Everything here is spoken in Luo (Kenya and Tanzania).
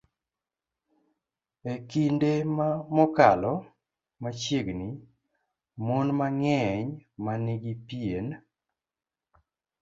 E kinde mokalo machiegni, mon mang'eny ma nigi pien